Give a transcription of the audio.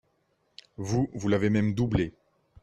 Vous, vous l’avez même doublé.